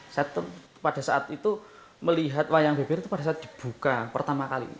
saya pada saat itu melihat wayang beber itu pada saat dibuka pertama kali